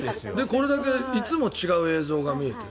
これだけいつも違う映像が見れて。